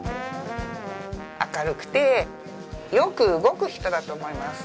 明るくてよく動く人だと思います。